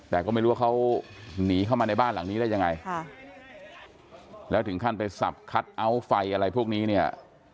แต่ก็ไม่รู้ว่าเขาหนีเข้ามาในบ้านหลังนี้ได้ยังไงค่ะแล้วถึงขั้นไปสับคัทเอาท์ไฟอะไรพวกนี้เนี่ย